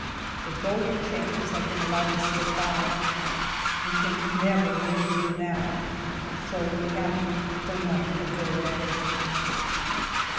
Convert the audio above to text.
The golden chances have been allowed to slip by ; we can never win through now so we have to " cling on " to the bitter end.